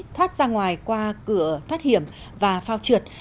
thoát ra ngoài qua cửa thoát hiểm và phao trượt